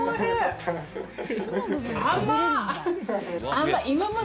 甘っ！